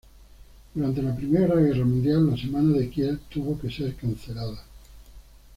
Durante la I Guerra Mundial la Semana de Kiel tuvo que ser cancelada.